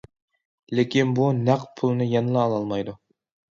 لېكىن بۇ نەق پۇلنى يەنىلا ئالالمايدۇ.